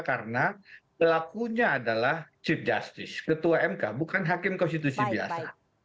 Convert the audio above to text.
karena pelakunya adalah chief justice ketua mk bukan hakim konstitusi biasa